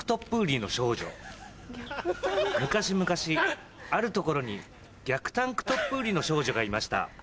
「昔々ある所に逆タンクトップ売りの少女がいました」。